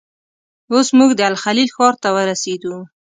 اوس موږ د الخلیل ښار ته ورسېدو.